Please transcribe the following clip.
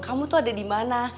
kamu tuh ada dimana